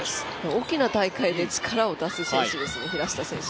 大きな大会で力を出す選手ですね、平下選手。